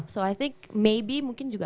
so i think maybe mungkin juga